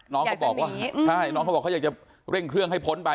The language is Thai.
น้องเขาบอกว่าเขาอยากจะเร่งเครื่องให้พ้นไป